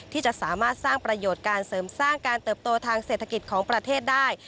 ที่จะสามารถสร้างประโยชน์การเสริมสร้างการเติบโตทางเศรษฐกิจของประเทศได้